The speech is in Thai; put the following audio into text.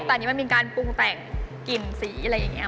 แต่อันนี้มันมีการปรุงแต่งกลิ่นสีอะไรอย่างนี้